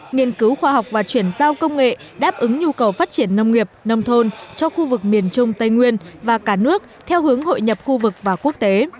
nghiên cứu khoa học và chuyển giao công nghệ đáp ứng nhu cầu phát triển nông nghiệp nông thôn cho khu vực miền trung tây nguyên và cả nước theo hướng hội nhập khu vực và quốc tế